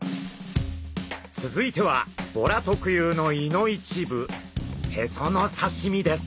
続いてはボラ特有の胃の一部ヘソの刺身です。